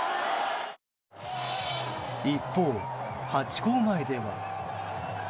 一方、ハチ公前では。